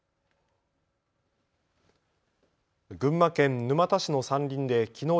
群馬県沼田市の山林できのう